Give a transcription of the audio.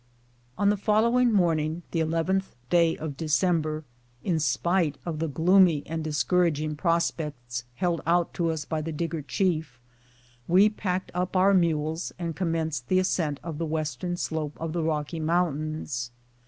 On the following morning (the 11th day. of December), in despite of the gloomy and discouraging prospects held out to us by the Digger chief, we packed up our mules and commenced the ascent of the western slope of the Rocky Mountains.